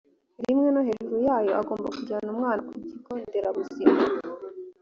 rimwe no hejuru yayo agomba kujyana umwana ku kigo nderabuzima